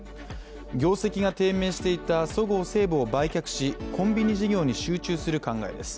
業績が低迷していたそごう・西武を売却しコンビニ事業に集中する考えです。